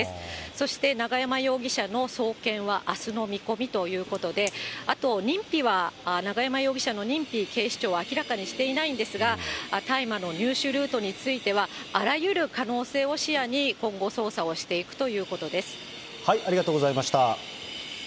そして永山容疑者の送検はあすの見込みということで、あと、認否は、永山容疑者の認否、警視庁は明らかにしていないんですが、大麻の入手ルートについては、あらゆる可能性を視野に、今後、ありがとうございました。